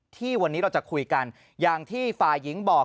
ที่วันนี้เราจะคุยกันอย่างที่ฝ่ายหญิงบอก